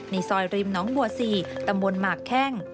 ในซอยริมน้องบัวสี่ตำบลหมากแค่ง